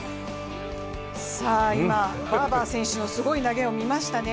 今、バーバー選手のすごい投げを見ましたね。